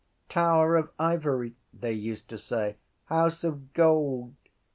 Tower of Ivory, they used to say, _House of Gold!